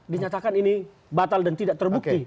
dinyatakan ini batal dan tidak terbukti